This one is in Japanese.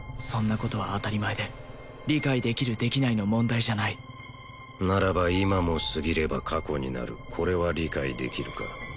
そんなことは当たり前で理解できるできないの問題じゃないならば今も過ぎれば過去になるこれは理解できるか？